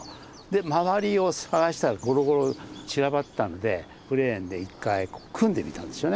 で周りを探したらゴロゴロ散らばってたんでクレーンで一回組んでみたんですよね。